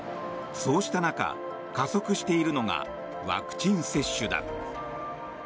そうした中、加速しているのがワクチン接種だ。